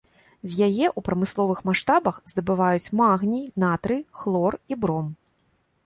З яе ў прамысловых маштабах здабываюць магній, натрый, хлор і бром.